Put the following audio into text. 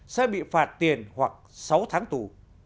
sẽ bị phạt tiền hoặc sáu tháng tù